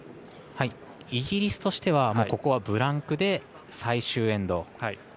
イギリスとしてはここはブランクで最終エンド。